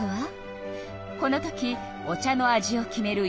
このときお茶の味を決める